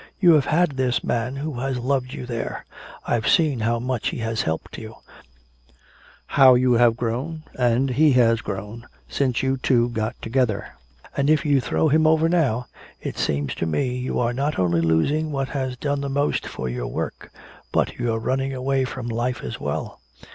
You have had this man who has loved you there. I've seen how much he has helped you how you have grown and he has grown since you two got together. And if you throw him over now, it seems to me you are not only losing what has done the most for your work, but you're running away from life as well.